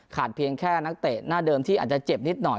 เพียงแค่นักเตะหน้าเดิมที่อาจจะเจ็บนิดหน่อย